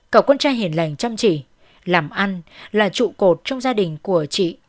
cậu con trai hiền lành chăm chỉ làm ăn là trụ cột trong gia đình của chị